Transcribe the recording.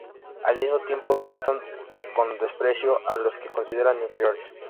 Al mismo tiempo tratan con desprecio a los que consideran inferiores.